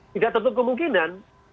tidak tentu kemungkinan